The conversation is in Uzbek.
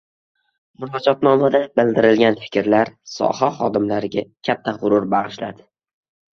Murojaatnomada bildirilgan fikrlar soha xodimlariga katta g‘urur bag‘ishladi